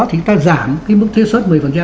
thì ta giảm cái mức thuế xuất một mươi